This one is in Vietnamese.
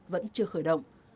vẫn chưa khởi động